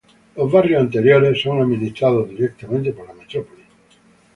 Los barrios anteriores son administradas directamente por la Metrópolis.